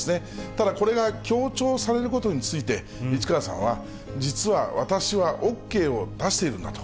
ただ、これが強調されることについて、市川さんは、実は私はＯＫを出しているんだと。